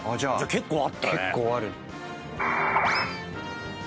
結構ある。